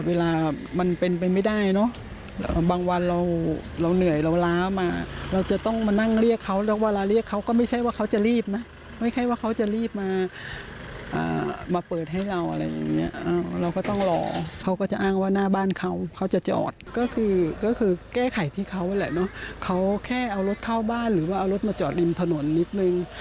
เอารถเข้าบ้านหรือว่าเอารถมาจอดริมถนนนิดนึง